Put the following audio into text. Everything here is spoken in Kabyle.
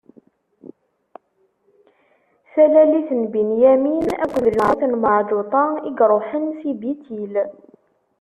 Talalit n Binyamin akked lmut n Meɛǧuṭa i iṛuḥen si Bitil.